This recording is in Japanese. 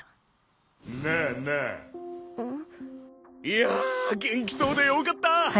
いやぁ元気そうでよかった！